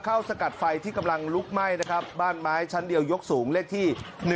สกัดไฟที่กำลังลุกไหม้นะครับบ้านไม้ชั้นเดียวยกสูงเลขที่๑